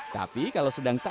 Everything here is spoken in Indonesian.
tapi kalau sedang tahan